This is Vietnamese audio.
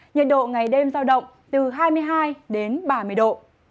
nhiệt độ ngày đêm giao động từ hai mươi hai đến ba mươi độ